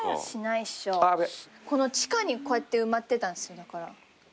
この地下にこうやって埋まってたんですよだから。